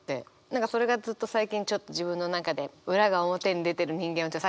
何かそれがずっと最近ちょっと自分の中で裏が表に出てる人間を探しちゃうっていうか。